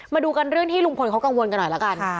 มาดูกันเรื่องที่ลุงพลเขากังวลกันหน่อยละกัน